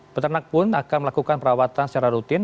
peternak pun akan melakukan perawatan secara rutin